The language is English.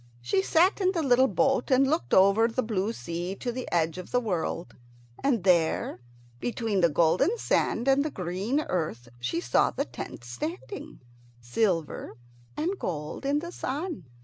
She sat in the little boat and looked over the blue sea to the edge of the world, and there, between the golden sand and the green earth, she saw the tent standing, silver and gold in the sun.